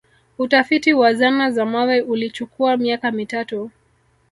Utafiti wa zana za mawe ulichukua miaka mitatu